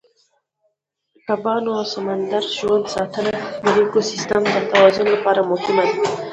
د کبانو او سمندري ژوند ساتنه د ایکوسیستم د توازن لپاره مهمه ده.